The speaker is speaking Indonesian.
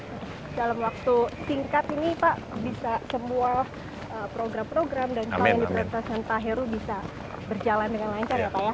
oke dalam waktu singkat ini pak bisa semua program program dan selain diperintahkan pak heru bisa berjalan dengan lancar ya pak ya